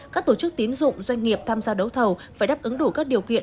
các tổ chức tín dụng doanh nghiệp tham gia đấu thầu phải đáp ứng đủ các điều kiện